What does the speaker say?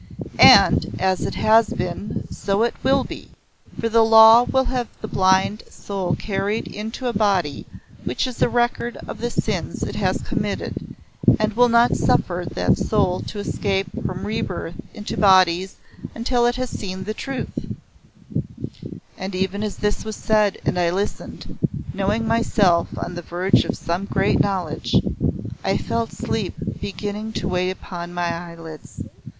" and as it has been so it will be, for the Law will have the blind soul carried into a body which is a record of the sins it has committed, and will not suffer that soul to escape from rebirth into bodies until it has seen the truth " And even as this was said and I listened, knowing myself on the verge of some great knowledge, I felt sleep beginning to weigh upon my eyelids.